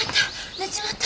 寝ちまった！